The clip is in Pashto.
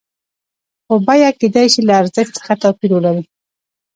خو بیه کېدای شي له ارزښت څخه توپیر ولري